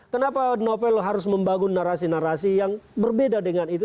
kenapa novel harus membangun narasi narasi yang berbeda dengan itu